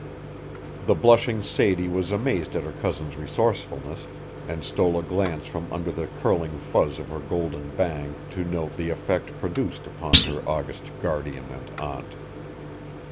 The blushing Sadie was amazed at her cousin's resourcefulness, and stole a glance from under the curling fuzz of her golden bang to note the effect produced upon her august guardian and aunt.